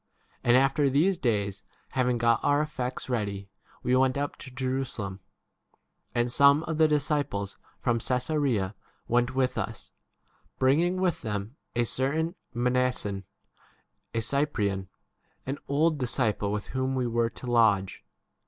And after these days, having got our effects ready, we went up to Jerusalem. 16 And [some] of the disciples from Cassarea went with us, bringing [with them] a certain Mnason, a Cyprian, an old disciple with whom l ? we were to lodge.